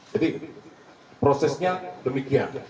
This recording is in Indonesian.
jadi prosesnya demikian